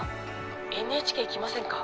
ＮＨＫ行きませんか？